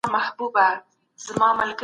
څه شی په کورنۍ کي د رواني فشار لامل کېږي؟